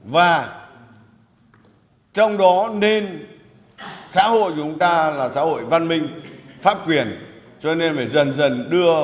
và trong đó nên xã hội chúng ta là xã hội văn minh pháp quyền cho nên phải dần dần đưa tòa dân sự tòa chính vào cuộc